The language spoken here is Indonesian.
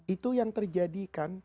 itu yang terjadi kan